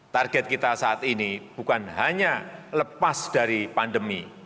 target kita saat ini bukan hanya lepas dari pandemi